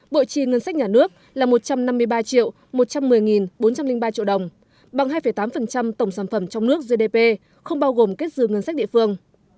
bộ trì ngân sách nhà nước là một trăm năm mươi ba một trăm một mươi bốn trăm linh ba triệu đồng bằng hai tám tổng sản phẩm trong nước gdp không bao gồm kết dư ngân sách địa phương